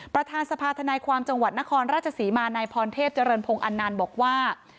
ประธานสภาธนายความจังหวัดนครราชศรีมานายพรเทพเจริญพงศ์อันนันต์บอกว่า